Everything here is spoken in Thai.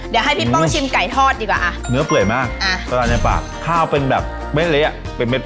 เดี๋ยวให้พี่ป้องชิมไก่ทอดดีกว่าอ่ะเนื้อเปื่อยมากในปากข้าวเป็นแบบเม็ดเละอ่ะเป็นเม็ด